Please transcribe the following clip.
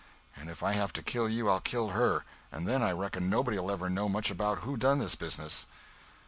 And if I have to kill you, I'll kill her—and then I reckon nobody'll ever know much about who done this business."